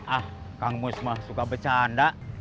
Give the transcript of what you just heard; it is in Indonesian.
ah kang mus mah suka bercanda